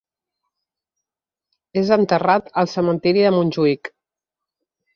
És enterrat al Cementiri de Montjuïc.